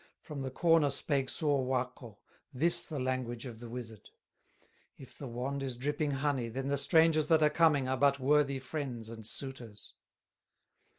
From the corner spake Suowakko, This the language of the wizard: "If the wand is dripping honey, Then the strangers that are coming Are but worthy friends and suitors."